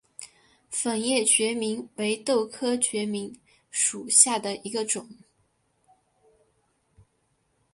粉叶决明为豆科决明属下的一个种。